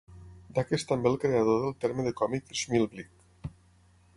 Dac és també el creador del terme de còmic Schmilblick.